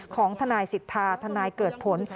ของทนายสิทธาทนายเกิดผล